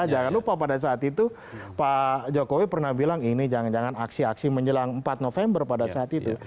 jangan lupa pada saat itu pak jokowi pernah bilang ini jangan jangan aksi aksi menjelang empat november pada saat itu